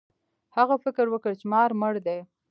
هغه فکر وکړ چې مار مړ دی.